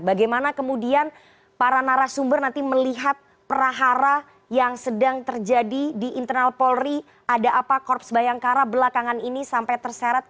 bagaimana kemudian para narasumber nanti melihat perahara yang sedang terjadi di internal polri ada apa korps bayangkara belakangan ini sampai terseret